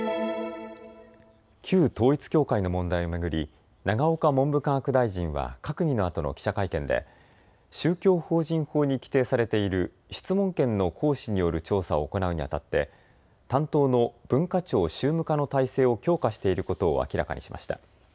旧統一教会の問題を巡り永岡文部科学大臣は閣議のあとの記者会見で宗教法人法に規定されている質問権の行使による調査を行うにあたって担当の文化庁宗務課の体制を強化していることを明らかにしました。